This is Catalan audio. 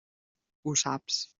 Ho saps.